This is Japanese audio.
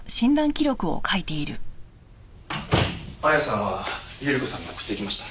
亜矢さんは百合子さんが送って行きました。